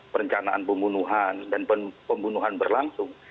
perencanaan pembunuhan dan pembunuhan berlangsung